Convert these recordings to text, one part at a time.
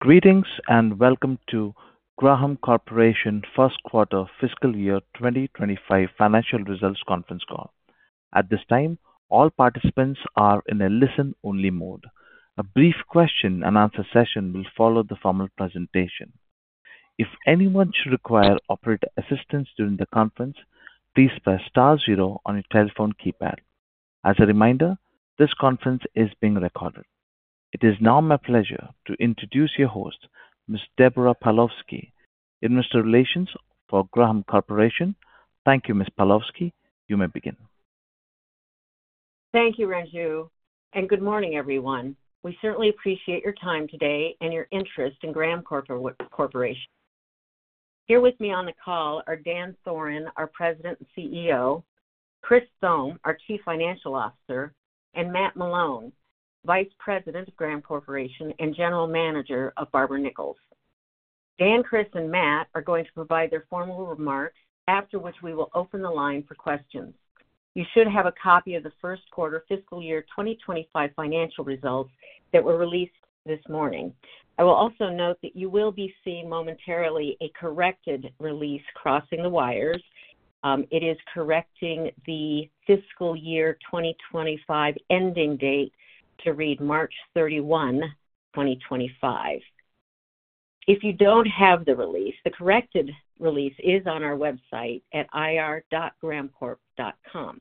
Greetings, and welcome to Graham Corporation First Quarter Fiscal Year 2025 Financial Results Conference Call. At this time, all participants are in a listen-only mode. A brief question-and-answer session will follow the formal presentation. If anyone should require operator assistance during the conference, please press star zero on your telephone keypad. As a reminder, this conference is being recorded. It is now my pleasure to introduce your host, Ms. Deborah Pawlowski, Investor Relations for Graham Corporation. Thank you, Ms. Pawlowski. You may begin. Thank you, Ranju, and good morning, everyone. We certainly appreciate your time today and your interest in Graham Corporation. Here with me on the call are Dan Thoren, our President and CEO; Chris Thome, our Chief Financial Officer; and Matt Malone, Vice President of Graham Corporation and General Manager of Barber-Nichols. Dan, Chris, and Matt are going to provide their formal remarks, after which we will open the line for questions. You should have a copy of the first quarter fiscal year 2025 financial results that were released this morning. I will also note that you will be seeing momentarily a corrected release crossing the wires. It is correcting the fiscal year 2025 ending date to read March 31, 2025. If you don't have the release, the corrected release is on our website at ir.grahamcorp.com,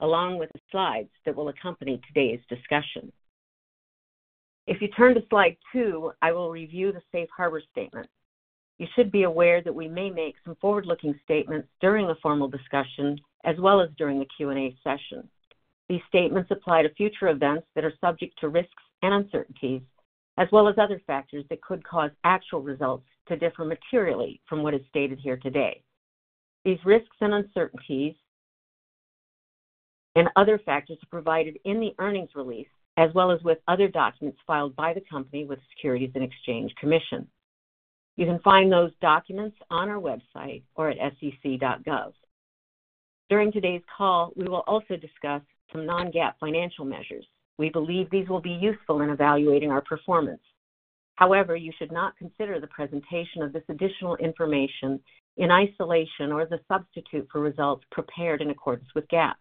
along with the slides that will accompany today's discussion. If you turn to slide 2, I will review the safe harbor statement. You should be aware that we may make some forward-looking statements during the formal discussion as well as during the Q&A session. These statements apply to future events that are subject to risks and uncertainties, as well as other factors that could cause actual results to differ materially from what is stated here today. These risks and uncertainties and other factors are provided in the earnings release, as well as with other documents filed by the company with Securities and Exchange Commission. You can find those documents on our website or at sec.gov. During today's call, we will also discuss some non-GAAP financial measures. We believe these will be useful in evaluating our performance. However, you should not consider the presentation of this additional information in isolation or as a substitute for results prepared in accordance with GAAP.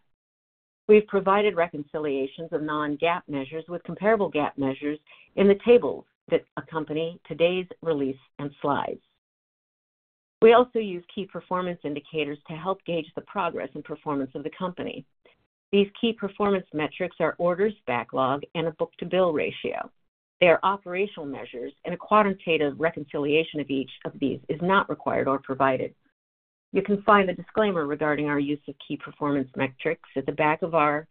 We've provided reconciliations of non-GAAP measures with comparable GAAP measures in the tables that accompany today's release and slides. We also use key performance indicators to help gauge the progress and performance of the company. These key performance metrics are orders, backlog, and a book-to-bill ratio. They are operational measures, and a quantitative reconciliation of each of these is not required or provided. You can find the disclaimer regarding our use of key performance metrics at the back of our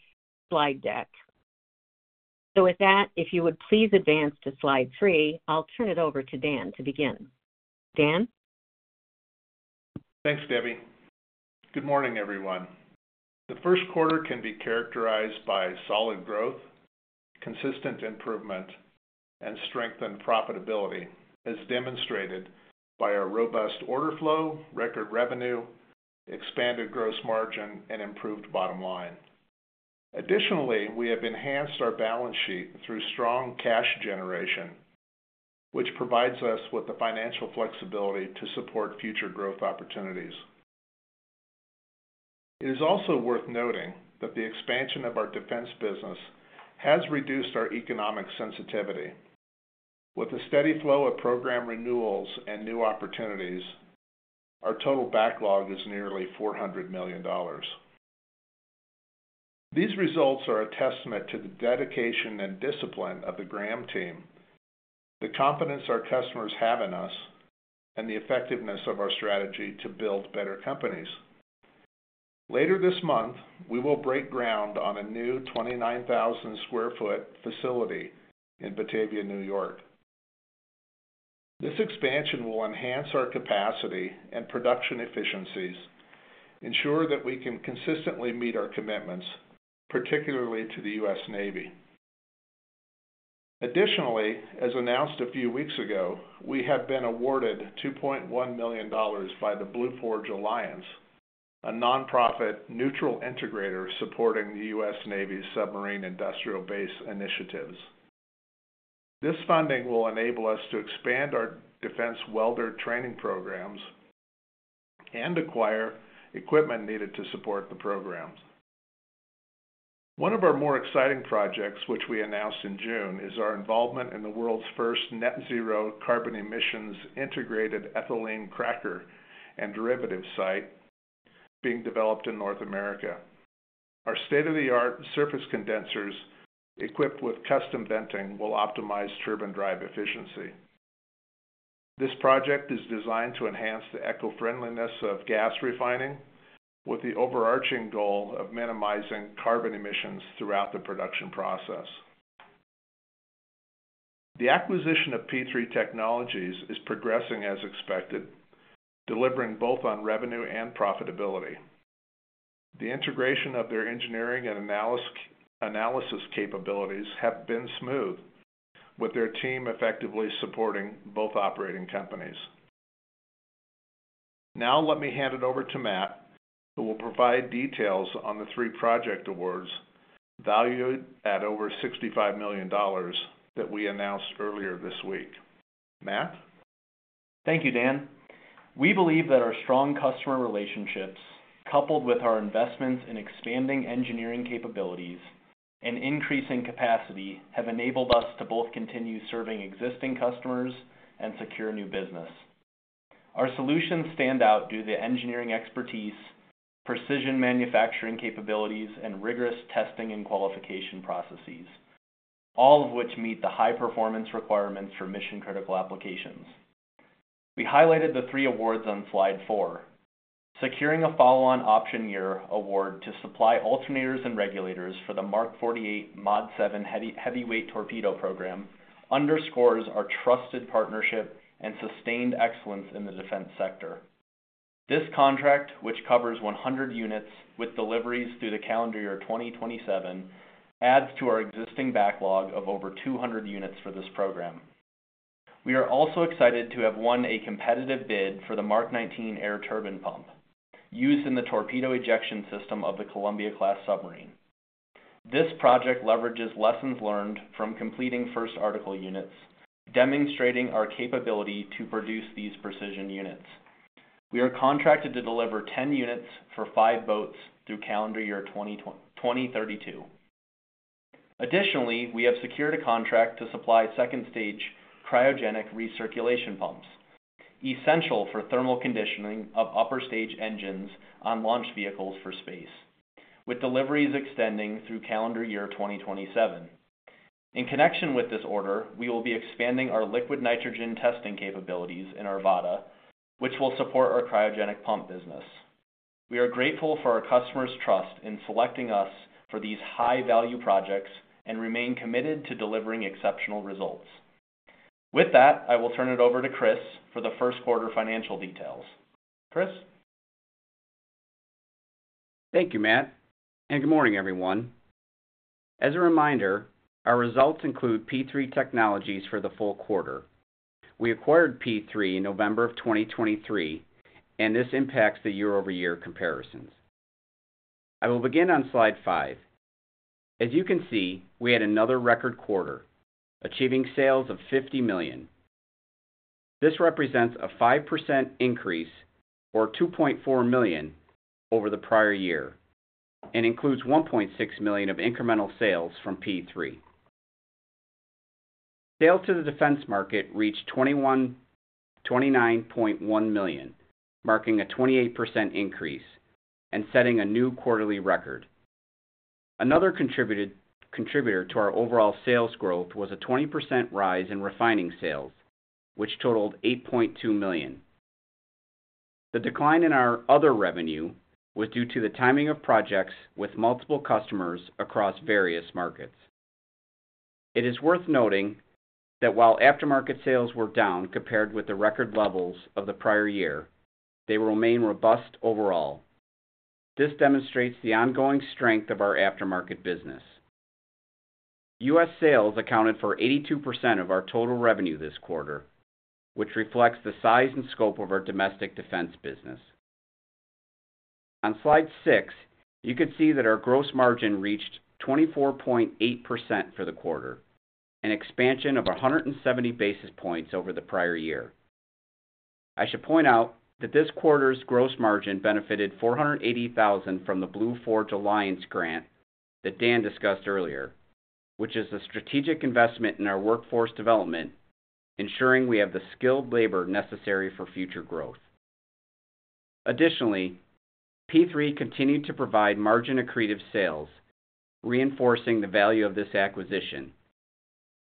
slide deck. So with that, if you would please advance to slide 3, I'll turn it over to Dan to begin. Dan? Thanks, Debbie. Good morning, everyone. The first quarter can be characterized by solid growth, consistent improvement, and strengthened profitability, as demonstrated by our robust order flow, record revenue, expanded gross margin, and improved bottom line. Additionally, we have enhanced our balance sheet through strong cash generation, which provides us with the financial flexibility to support future growth opportunities. It is also worth noting that the expansion of our defense business has reduced our economic sensitivity. With a steady flow of program renewals and new opportunities, our total backlog is nearly $400 million. These results are a testament to the dedication and discipline of the Graham team, the confidence our customers have in us, and the effectiveness of our strategy to build better companies. Later this month, we will break ground on a new 29,000 sq ft facility in Batavia, New York. This expansion will enhance our capacity and production efficiencies, ensure that we can consistently meet our commitments, particularly to the US Navy. Additionally, as announced a few weeks ago, we have been awarded $2.1 million by the Blue Forge Alliance, a nonprofit, neutral integrator supporting the US Navy's submarine industrial base initiatives. This funding will enable us to expand our defense welder training programs and acquire equipment needed to support the program. One of our more exciting projects, which we announced in June, is our involvement in the world's first net zero carbon emissions integrated ethylene cracker and derivative site being developed in North America. Our state-of-the-art surface condensers, equipped with custom venting, will optimize turbine drive efficiency. This project is designed to enhance the eco-friendliness of gas refining, with the overarching goal of minimizing carbon emissions throughout the production process. The acquisition of P3 Technologies is progressing as expected, delivering both on revenue and profitability. The integration of their engineering and analysis capabilities have been smooth, with their team effectively supporting both operating companies. Now let me hand it over to Matt, who will provide details on the three project awards valued at over $65 million that we announced earlier this week. Matt? Thank you, Dan. We believe that our strong customer relationships, coupled with our investments in expanding engineering capabilities and increasing capacity, have enabled us to both continue serving existing customers and secure new business. Our solutions stand out due to engineering expertise, precision manufacturing capabilities, and rigorous testing and qualification processes, all of which meet the high-performance requirements for mission-critical applications. We highlighted the three awards on slide four. Securing a follow-on option year award to supply alternators and regulators for the Mark 48 Mod 7 Heavyweight Torpedo program underscores our trusted partnership and sustained excellence in the defense sector. This contract, which covers 100 units with deliveries through the calendar year 2027, adds to our existing backlog of over 200 units for this program. We are also excited to have won a competitive bid for the MK19 Air Turbine Pump, used in the torpedo ejection system of the Columbia-class submarine. This project leverages lessons learned from completing first article units, demonstrating our capability to produce these precision units. We are contracted to deliver 10 units for 5 boats through calendar year 2032. Additionally, we have secured a contract to supply second stage cryogenic recirculation pumps, essential for thermal conditioning of upper stage engines on launch vehicles for space, with deliveries extending through calendar year 2027. In connection with this order, we will be expanding our liquid nitrogen testing capabilities in Arvada, which will support our cryogenic pump business. We are grateful for our customers' trust in selecting us for these high-value projects and remain committed to delivering exceptional results. With that, I will turn it over to Chris for the first quarter financial details. Chris? Thank you, Matt, and good morning, everyone. As a reminder, our results include P3 Technologies for the full quarter. We acquired P3 in November of 2023, and this impacts the year-over-year comparisons. I will begin on slide 5. As you can see, we had another record quarter, achieving sales of $50 million. This represents a 5% increase, or $2.4 million, over the prior year and includes $1.6 million of incremental sales from P3. Sales to the defense market reached $29.1 million, marking a 28% increase and setting a new quarterly record. Another contributor to our overall sales growth was a 20% rise in refining sales, which totaled $8.2 million. The decline in our other revenue was due to the timing of projects with multiple customers across various markets. It is worth noting that while aftermarket sales were down compared with the record levels of the prior year, they remain robust overall. This demonstrates the ongoing strength of our aftermarket business. U.S. sales accounted for 82% of our total revenue this quarter, which reflects the size and scope of our domestic defense business. On slide 6, you can see that our gross margin reached 24.8% for the quarter, an expansion of 170 basis points over the prior year. I should point out that this quarter's gross margin benefited $480,000 from the Blue Forge Alliance grant that Dan discussed earlier, which is a strategic investment in our workforce development, ensuring we have the skilled labor necessary for future growth. Additionally, P3 continued to provide margin accretive sales, reinforcing the value of this acquisition,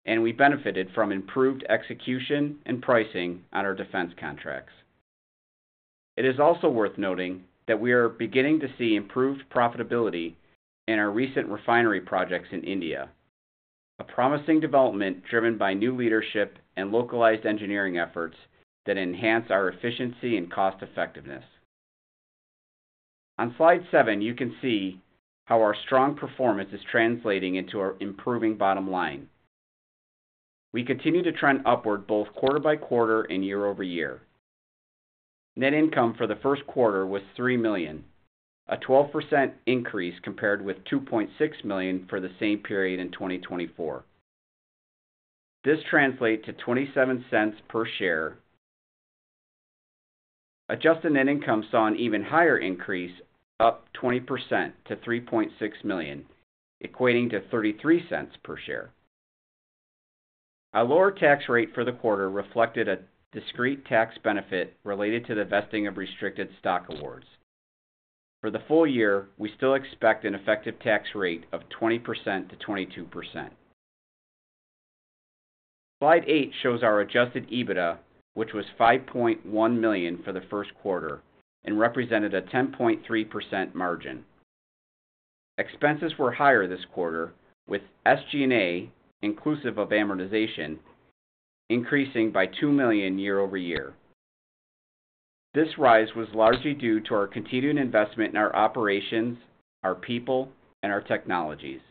and we benefited from improved execution and pricing on our defense contracts. It is also worth noting that we are beginning to see improved profitability in our recent refinery projects in India, a promising development driven by new leadership and localized engineering efforts that enhance our efficiency and cost effectiveness. On slide 7, you can see how our strong performance is translating into our improving bottom line. We continue to trend upward both quarter by quarter and year-over-year. Net income for the first quarter was $3 million, a 12% increase compared with $2.6 million for the same period in 2024. This translates to $0.27 per share. Adjusted net income saw an even higher increase, up 20% to $3.6 million, equating to $0.33 per share. A lower tax rate for the quarter reflected a discrete tax benefit related to the vesting of restricted stock awards. For the full year, we still expect an effective tax rate of 20%-22%. Slide 8 shows our Adjusted EBITDA, which was $5.1 million for the first quarter and represented a 10.3% margin. Expenses were higher this quarter, with SG&A, inclusive of amortization, increasing by $2 million year-over-year. This rise was largely due to our continued investment in our operations, our people, and our technologies....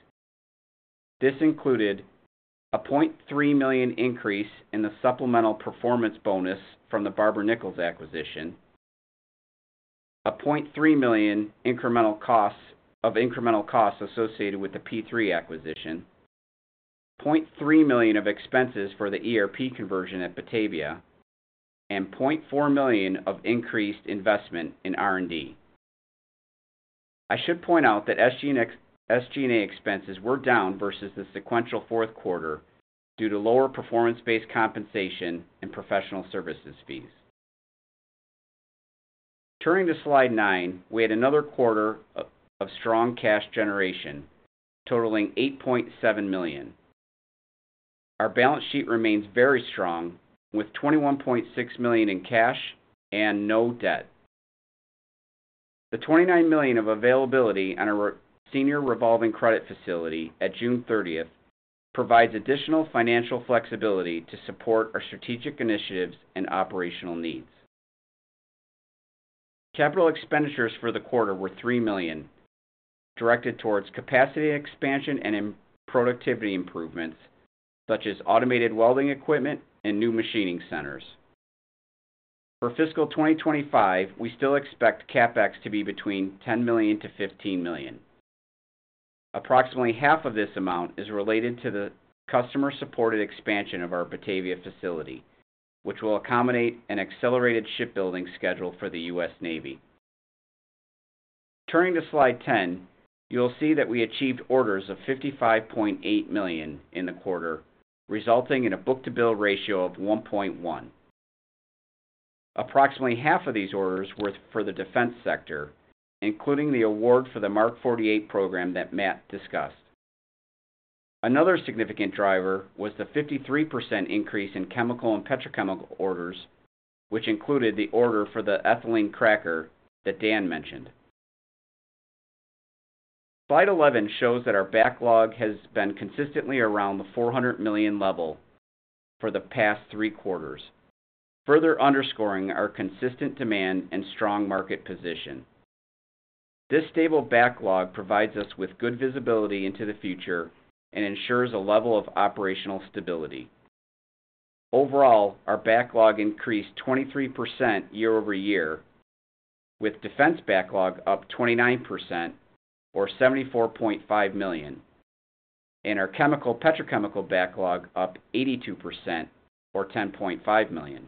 This included a $0.3 million increase in the supplemental performance bonus from the Barber-Nichols acquisition, a $0.3 million incremental costs, of incremental costs associated with the P3 acquisition, $0.3 million of expenses for the ERP conversion at Batavia, and $0.4 million of increased investment in R&D. I should point out that SG&A and ex-SG&A expenses were down versus the sequential fourth quarter due to lower performance-based compensation and professional services fees. Turning to slide 9, we had another quarter of strong cash generation totaling $8.7 million. Our balance sheet remains very strong, with $21.6 million in cash and no debt. The $29 million of availability on our senior revolving credit facility at June 30 provides additional financial flexibility to support our strategic initiatives and operational needs. Capital expenditures for the quarter were $3 million, directed towards capacity expansion and productivity improvements, such as automated welding equipment and new machining centers. For fiscal 2025, we still expect CapEx to be between $10 million to $15 million. Approximately half of this amount is related to the customer-supported expansion of our Batavia facility, which will accommodate an accelerated shipbuilding schedule for the U.S. Navy. Turning to slide 10, you will see that we achieved orders of $55.8 million in the quarter, resulting in a book-to-bill ratio of 1.1. Approximately half of these orders were for the defense sector, including the award for the Mark 48 program that Matt discussed. Another significant driver was the 53% increase in chemical and petrochemical orders, which included the order for the ethylene cracker that Dan mentioned. Slide 11 shows that our backlog has been consistently around the $400 million level for the past three quarters, further underscoring our consistent demand and strong market position. This stable backlog provides us with good visibility into the future and ensures a level of operational stability. Overall, our backlog increased 23% year-over-year, with defense backlog up 29%, or $74.5 million, and our chemical petrochemical backlog up 82%, or $10.5 million.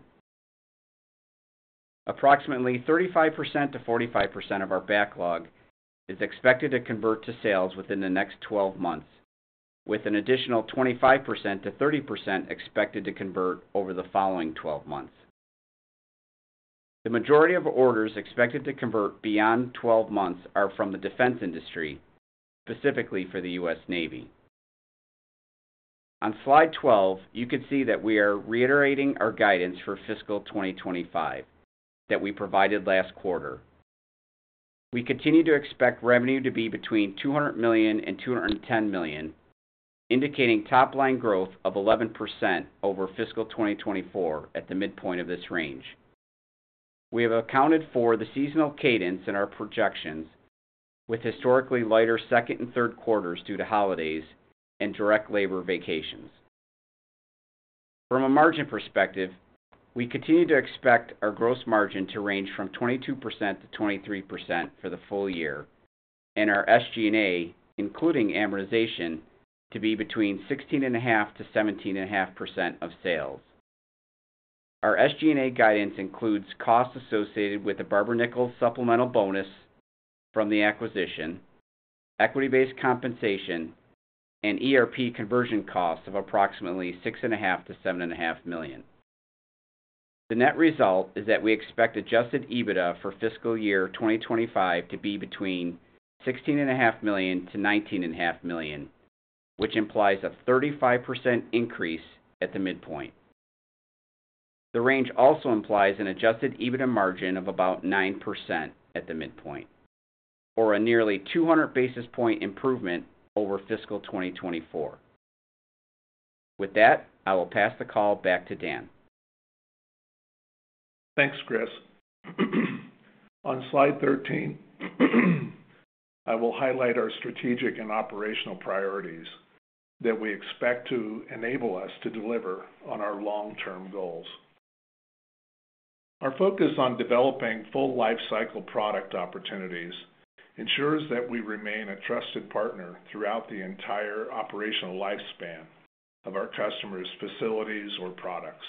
Approximately 35%-45% of our backlog is expected to convert to sales within the next 12 months, with an additional 25%-30% expected to convert over the following 12 months. The majority of orders expected to convert beyond 12 months are from the defense industry, specifically for the U.S. Navy. On Slide 12, you can see that we are reiterating our guidance for fiscal 2025 that we provided last quarter. We continue to expect revenue to be between $200 million and $210 million, indicating top line growth of 11% over fiscal 2024 at the midpoint of this range. We have accounted for the seasonal cadence in our projections, with historically lighter second and third quarters due to holidays and direct labor vacations. From a margin perspective, we continue to expect our gross margin to range from 22%-23% for the full year, and our SG&A, including amortization, to be between 16.5%-17.5% of sales. Our SG&A guidance includes costs associated with the Barber-Nichols supplemental bonus from the acquisition, equity-based compensation, and ERP conversion costs of approximately $6.5 million-$7.5 million. The net result is that we expect adjusted EBITDA for fiscal year 2025 to be between $16.5 million-$19.5 million, which implies a 35% increase at the midpoint. The range also implies an adjusted EBITDA margin of about 9% at the midpoint, or a nearly 200 basis point improvement over fiscal 2024. With that, I will pass the call back to Dan. Thanks, Chris. On slide 13, I will highlight our strategic and operational priorities that we expect to enable us to deliver on our long-term goals. Our focus on developing full lifecycle product opportunities ensures that we remain a trusted partner throughout the entire operational lifespan of our customers' facilities or products.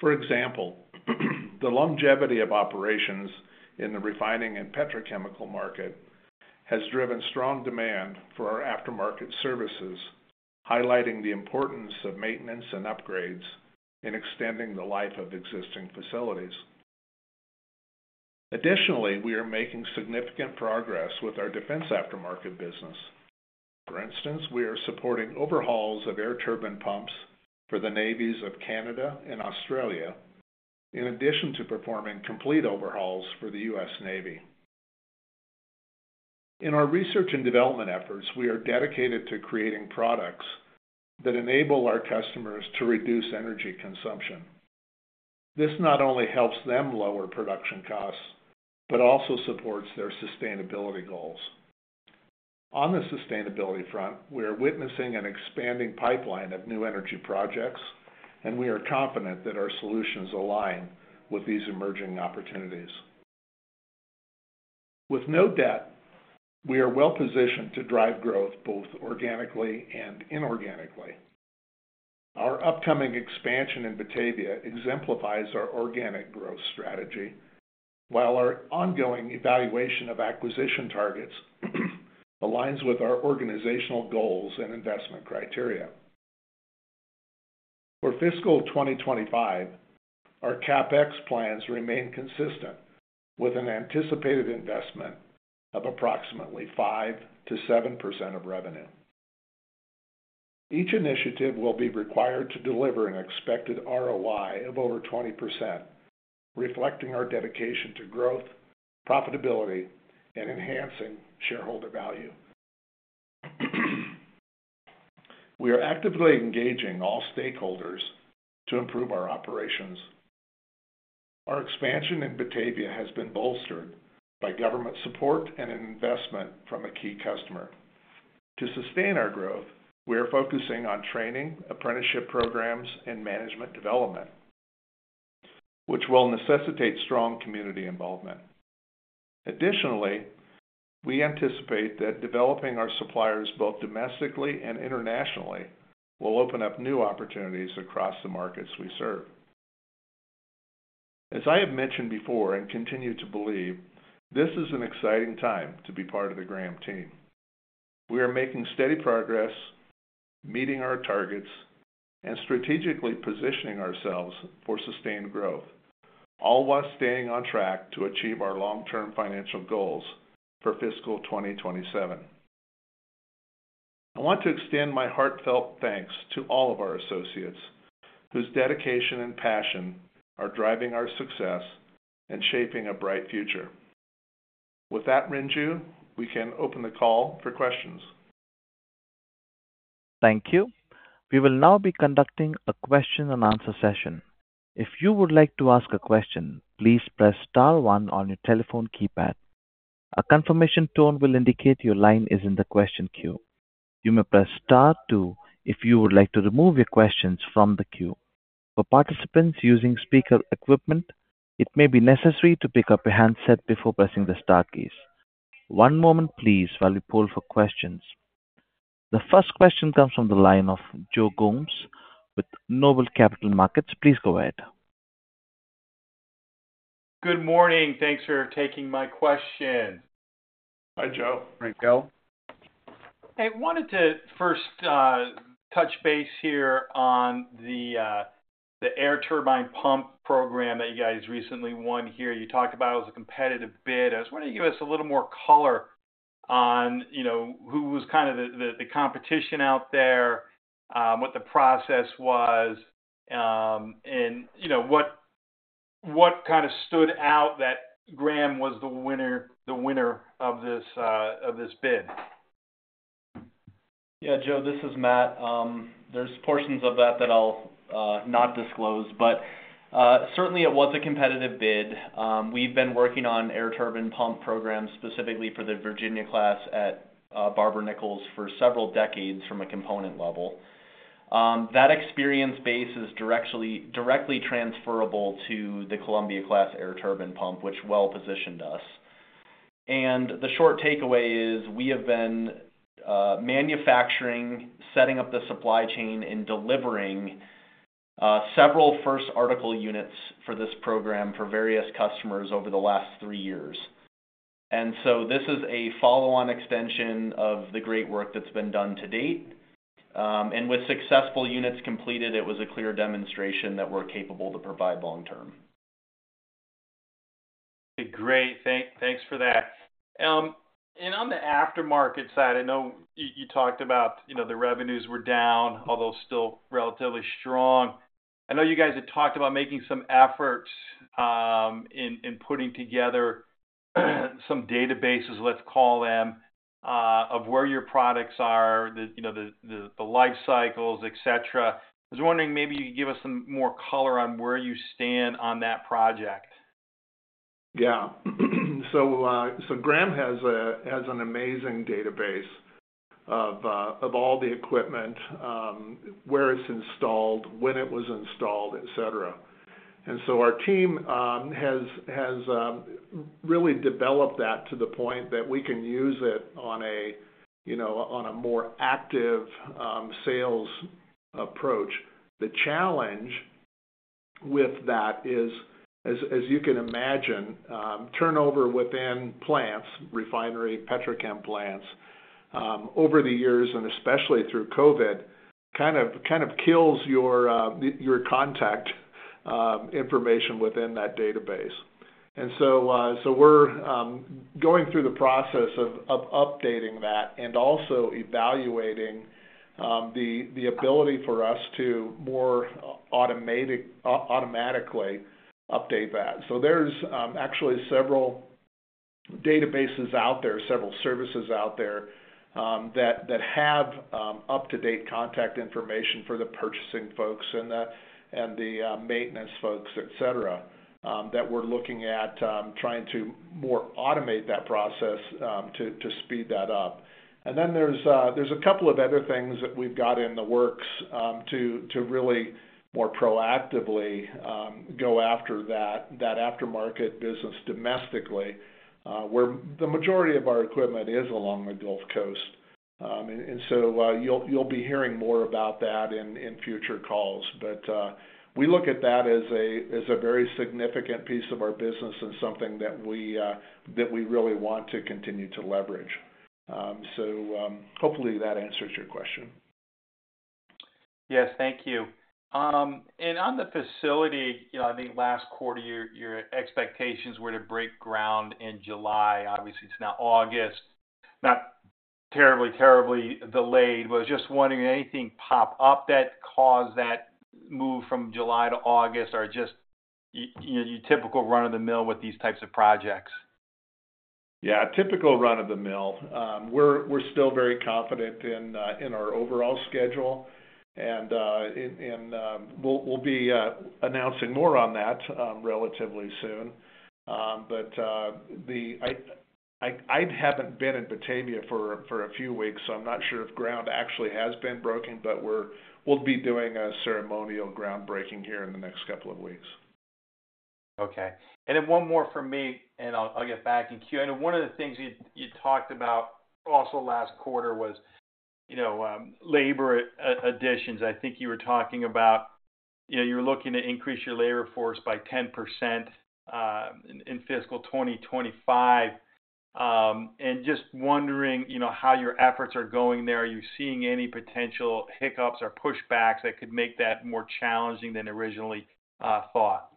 For example, the longevity of operations in the refining and petrochemical market has driven strong demand for our aftermarket services, highlighting the importance of maintenance and upgrades in extending the life of existing facilities. Additionally, we are making significant progress with our defense aftermarket business. For instance, we are supporting overhauls of air turbine pumps for the navies of Canada and Australia, in addition to performing complete overhauls for the US Navy. In our research and development efforts, we are dedicated to creating products that enable our customers to reduce energy consumption.... This not only helps them lower production costs, but also supports their sustainability goals. On the sustainability front, we are witnessing an expanding pipeline of new energy projects, and we are confident that our solutions align with these emerging opportunities. With no debt, we are well-positioned to drive growth both organically and inorganically. Our upcoming expansion in Batavia exemplifies our organic growth strategy, while our ongoing evaluation of acquisition targets aligns with our organizational goals and investment criteria. For fiscal 2025, our CapEx plans remain consistent, with an anticipated investment of approximately 5%-7% of revenue. Each initiative will be required to deliver an expected ROI of over 20%, reflecting our dedication to growth, profitability, and enhancing shareholder value. We are actively engaging all stakeholders to improve our operations. Our expansion in Batavia has been bolstered by government support and investment from a key customer. To sustain our growth, we are focusing on training, apprenticeship programs, and management development, which will necessitate strong community involvement. Additionally, we anticipate that developing our suppliers, both domestically and internationally, will open up new opportunities across the markets we serve. As I have mentioned before, and continue to believe, this is an exciting time to be part of the Graham team. We are making steady progress, meeting our targets, and strategically positioning ourselves for sustained growth, all while staying on track to achieve our long-term financial goals for fiscal 2027. I want to extend my heartfelt thanks to all of our associates, whose dedication and passion are driving our success and shaping a bright future. With that, Ranju, we can open the call for questions. Thank you. We will now be conducting a question and answer session. If you would like to ask a question, please press star one on your telephone keypad. A confirmation tone will indicate your line is in the question queue. You may press star two if you would like to remove your questions from the queue. For participants using speaker equipment, it may be necessary to pick up a handset before pressing the star keys. One moment please, while we poll for questions. The first question comes from the line of Joe Gomes with Noble Capital Markets. Please go ahead. Good morning. Thanks for taking my question. Hi, Joe. Hi, Joe. I wanted to first touch base here on the air turbine pump program that you guys recently won here. You talked about it was a competitive bid. I was wondering if you give us a little more color on, you know, who was kind of the competition out there, what the process was, and you know, what kind of stood out that Graham was the winner of this bid? Yeah, Joe, this is Matt. There's portions of that that I'll not disclose, but certainly it was a competitive bid. We've been working on air turbine pump programs, specifically for the Virginia class at Barber-Nichols for several decades from a component level. That experience base is directly, directly transferable to the Columbia class air turbine pump, which well positioned us. The short takeaway is we have been manufacturing, setting up the supply chain, and delivering several first article units for this program for various customers over the last three years. And so this is a follow-on extension of the great work that's been done to date. And with successful units completed, it was a clear demonstration that we're capable to provide long term. Great. Thanks for that. And on the aftermarket side, I know you talked about, you know, the revenues were down, although still relatively strong. I know you guys had talked about making some efforts in putting together some databases, let's call them, of where your products are, you know, the life cycles, et cetera. I was wondering if maybe you could give us some more color on where you stand on that project. Yeah. So, so Graham has an amazing database of all the equipment, where it's installed, when it was installed, et cetera. And so our team has really developed that to the point that we can use it on a, you know, on a more active sales approach. The challenge with that is, as you can imagine, turnover within plants, refinery, petrochem plants, over the years, and especially through COVID, kind of kills your your contact information within that database. And so, so we're going through the process of updating that and also evaluating the ability for us to more automatically update that. So there's actually several-... Databases out there, several services out there that have up-to-date contact information for the purchasing folks and the maintenance folks, et cetera, that we're looking at trying to more automate that process to speed that up. And then there's a couple of other things that we've got in the works to really more proactively go after that aftermarket business domestically, where the majority of our equipment is along the Gulf Coast. And so, you'll be hearing more about that in future calls. But we look at that as a very significant piece of our business and something that we really want to continue to leverage. So, hopefully that answers your question. Yes, thank you. And on the facility, you know, I think last quarter, your expectations were to break ground in July. Obviously, it's now August. Not terribly, terribly delayed. Was just wondering, anything pop up that caused that move from July to August, or just you know, your typical run-of-the-mill with these types of projects? Yeah, typical run-of-the-mill. We're still very confident in our overall schedule, and we'll be announcing more on that relatively soon. But I haven't been in Batavia for a few weeks, so I'm not sure if ground actually has been broken, but we'll be doing a ceremonial groundbreaking here in the next couple of weeks. Okay. And then one more from me, and I'll get back in queue. I know one of the things you talked about also last quarter was, you know, labor additions. I think you were talking about, you know, you're looking to increase your labor force by 10%, in fiscal 2025. And just wondering, you know, how your efforts are going there. Are you seeing any potential hiccups or pushbacks that could make that more challenging than originally thought?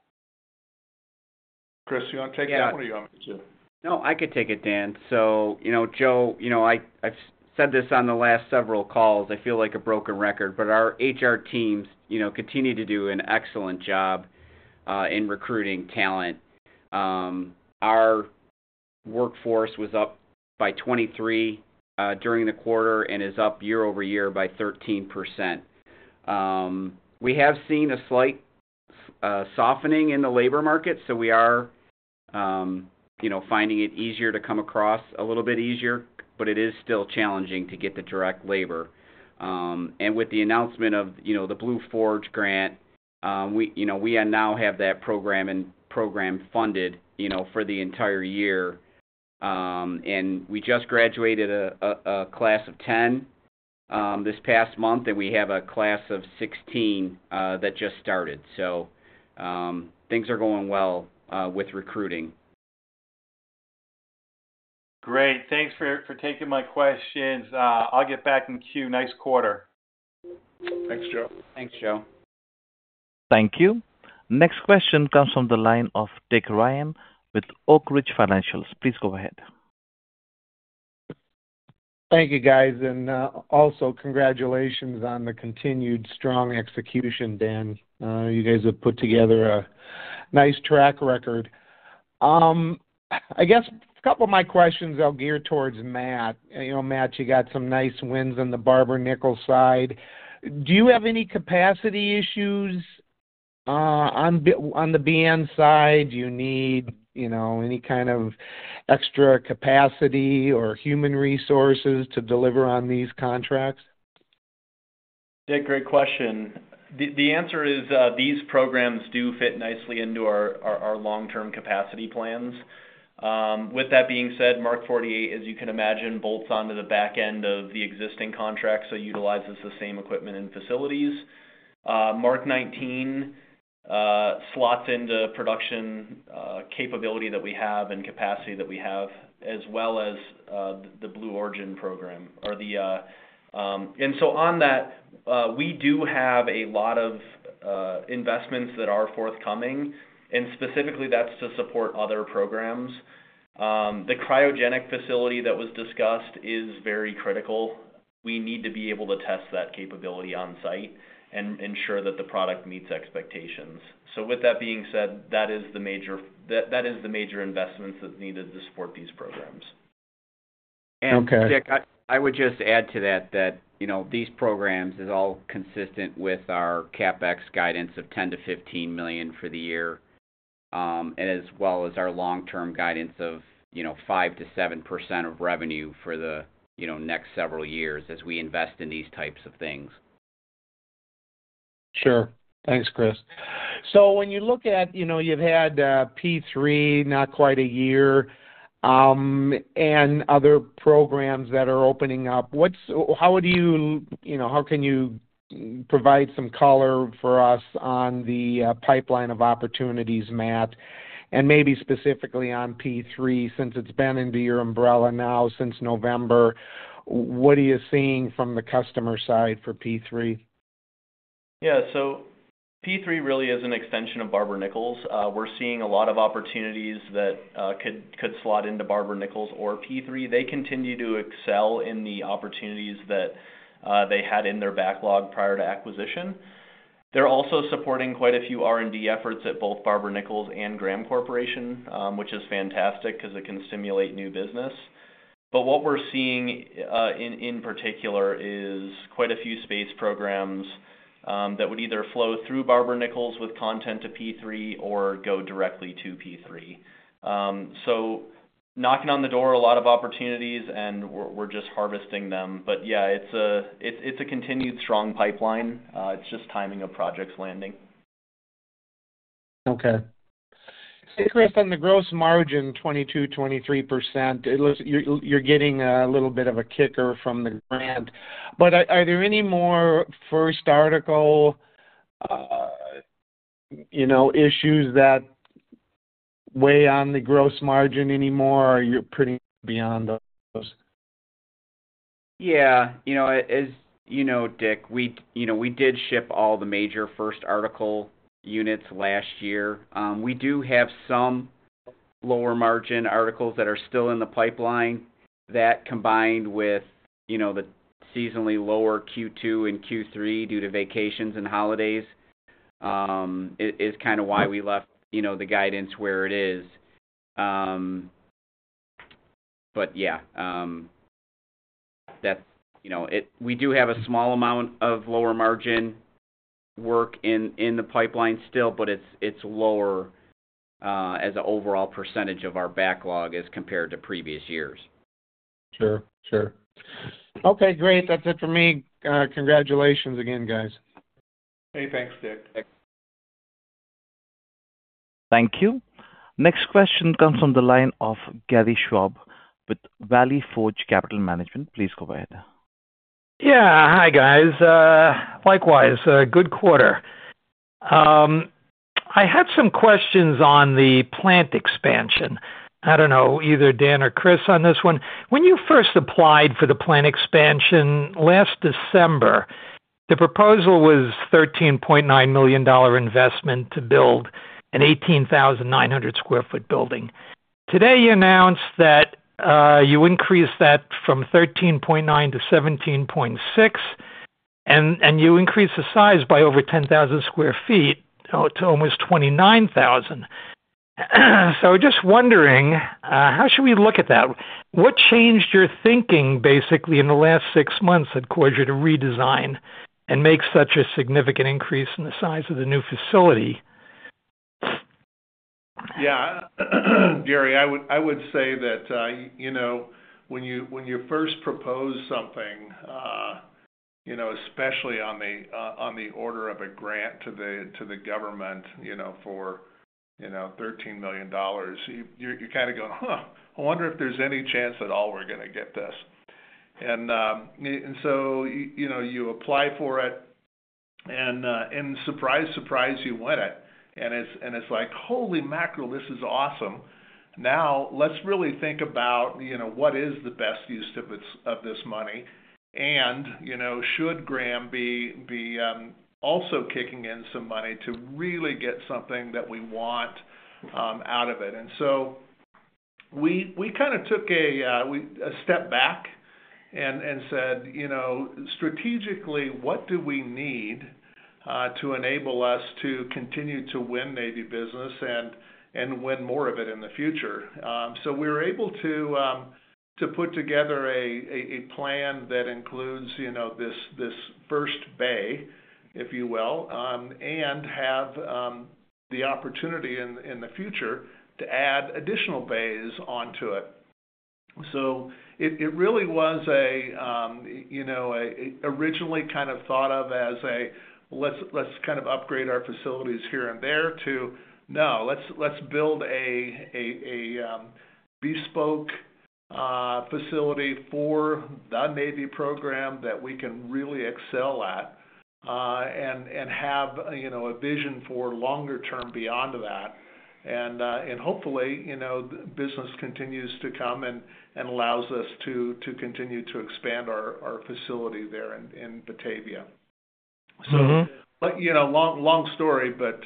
Chris, you want to take that, or you want me to? No, I could take it, Dan. So, you know, Joe, you know, I, I've said this on the last several calls, I feel like a broken record, but our HR teams, you know, continue to do an excellent job in recruiting talent. Our workforce was up by 23 during the quarter and is up year-over-year by 13%. We have seen a slight softening in the labor market, so we are, you know, finding it easier to come across a little bit easier, but it is still challenging to get the direct labor. And with the announcement of, you know, the Blue Forge grant, we, you know, we now have that program and program funded, you know, for the entire year. And we just graduated a class of 10 this past month, and we have a class of 16 that just started. So, things are going well with recruiting. Great. Thanks for taking my questions. I'll get back in queue. Nice quarter. Thanks, Joe. Thanks, Joe. Thank you. Next question comes from the line of Dick Ryan with Oak Ridge Financial. Please go ahead. Thank you, guys, and also congratulations on the continued strong execution, Dan. You guys have put together a nice track record. I guess a couple of my questions I'll gear towards Matt. You know, Matt, you got some nice wins on the Barber-Nichols side. Do you have any capacity issues on the BN side? Do you need, you know, any kind of extra capacity or human resources to deliver on these contracts? Yeah, great question. The answer is, these programs do fit nicely into our long-term capacity plans. With that being said, MK 48, as you can imagine, bolts onto the back end of the existing contract, so utilizes the same equipment and facilities. MK 19 slots into production capability that we have and capacity that we have, as well as the Blue Origin program or the... And so on that, we do have a lot of investments that are forthcoming, and specifically that's to support other programs. The cryogenic facility that was discussed is very critical. We need to be able to test that capability on-site and ensure that the product meets expectations. So with that being said, that is the major investments that's needed to support these programs. Okay. Dick, I would just add to that, you know, these programs is all consistent with our CapEx guidance of $10 million-$15 million for the year, and as well as our long-term guidance of, you know, 5%-7% of revenue for the, you know, next several years as we invest in these types of things. Sure. Thanks, Chris. So when you look at, you know, you've had P3 not quite a year, and other programs that are opening up, how would you, you know, how can you provide some color for us on the pipeline of opportunities, Matt? And maybe specifically on P3, since it's been under your umbrella now since November. What are you seeing from the customer side for P3? Yeah. So P3 really is an extension of Barber-Nichols. We're seeing a lot of opportunities that could slot into Barber-Nichols or P3. They continue to excel in the opportunities that they had in their backlog prior to acquisition.... They're also supporting quite a few R&D efforts at both Barber-Nichols and Graham Corporation, which is fantastic 'cause it can simulate new business. But what we're seeing, in particular, is quite a few space programs, that would either flow through Barber-Nichols with content to P3 or go directly to P3. So knocking on the door, a lot of opportunities, and we're, we're just harvesting them. But, yeah, it's a continued strong pipeline. It's just timing of projects landing. Okay. Hey, Chris, on the gross margin, 22%-23%, it looks you're getting a little bit of a kicker from the grant. But are there any more first article, you know, issues that weigh on the gross margin anymore, or you're pretty beyond those? Yeah. You know, as you know, Dick, we, you know, we did ship all the major first article units last year. We do have some lower margin articles that are still in the pipeline. That combined with, you know, the seasonally lower Q2 and Q3 due to vacations and holidays is kind of why we left, you know, the guidance where it is. You know, we do have a small amount of lower margin work in the pipeline still, but it's lower as an overall percentage of our backlog as compared to previous years. Sure. Sure. Okay, great. That's it for me. Congratulations again, guys. Hey, thanks, Dick. Thank you. Next question comes from the line of Gary Schwab with Valley Forge Capital Management. Please go ahead. Yeah. Hi, guys, likewise, a good quarter. I had some questions on the plant expansion. I don't know, either Dan or Chris, on this one. When you first applied for the plant expansion last December, the proposal was $13.9 million investment to build an 18,900 sq ft building. Today, you announced that, you increased that from $13.9 million to $17.6 million, and, and you increased the size by over 10,000 sq ft, to almost 29,000. So just wondering, how should we look at that? What changed your thinking, basically, in the last six months, that caused you to redesign and make such a significant increase in the size of the new facility? Yeah. Gary, I would, I would say that, you know, when you, when you first propose something, you know, especially on the, on the order of a grant to the, to the government, you know, for $13 million, you kind of go, "Huh, I wonder if there's any chance at all we're gonna get this?" And, and so, you know, you apply for it, and surprise, surprise, you win it. And it's like, holy mackerel, this is awesome! Now, let's really think about, you know, what is the best use of it's, of this money. And, you know, should Graham be, also kicking in some money to really get something that we want, out of it? And so we kind of took a step back and said, "You know, strategically, what do we need to enable us to continue to win Navy business and win more of it in the future?" So we were able to put together a plan that includes, you know, this first bay, if you will, and have the opportunity in the future to add additional bays onto it. So it really was, you know, originally kind of thought of as a let's kind of upgrade our facilities here and there, to, "No, let's build a bespoke facility for the Navy program that we can really excel at, and have, you know, a vision for longer term beyond that." And hopefully, you know, business continues to come and allows us to continue to expand our facility there in Batavia. Mm-hmm. But, you know, long, long story, but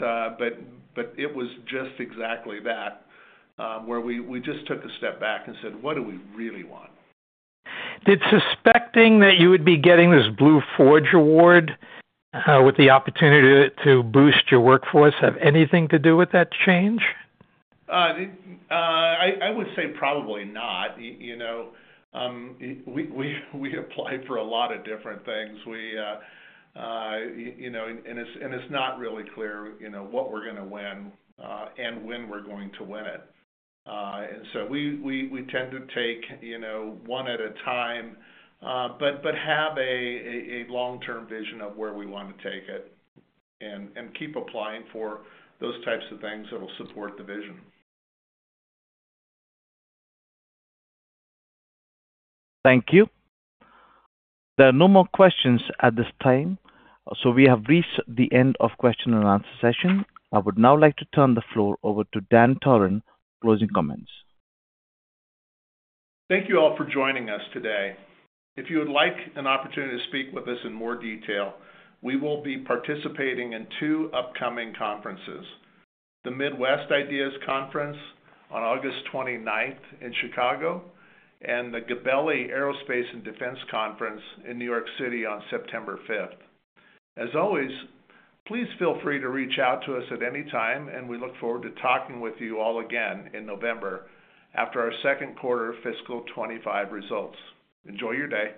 it was just exactly that, where we just took a step back and said, "What do we really want? Did suspecting that you would be getting this Blue Forge award, with the opportunity to boost your workforce, have anything to do with that change? I would say probably not. You know, we applied for a lot of different things. You know, and it's not really clear, you know, what we're gonna win, and when we're going to win it. And so we tend to take, you know, one at a time, but have a long-term vision of where we want to take it, and keep applying for those types of things that will support the vision. Thank you. There are no more questions at this time, so we have reached the end of question and answer session. I would now like to turn the floor over to Dan Thoren, closing comments. Thank you all for joining us today. If you would like an opportunity to speak with us in more detail, we will be participating in two upcoming conferences: the Midwest IDEAS Conference on August 29th in Chicago, and the Gabelli Aerospace and Defense Conference in New York City on September 5th. As always, please feel free to reach out to us at any time, and we look forward to talking with you all again in November, after our second quarter fiscal 2025 results. Enjoy your day.